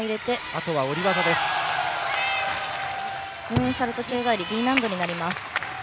ムーンサルト宙返りＤ難度になります。